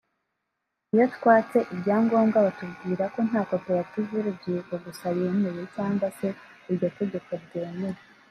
Iyo twatse ibyangombwa batubwira ko nta koperative y’urubyiruko gusa yemeye cyangwa se iryo tegeko ryemera